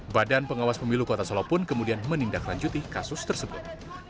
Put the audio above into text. badan pengawas pemilu kota solo pun kemudian menindaklanjuti kasus tersebut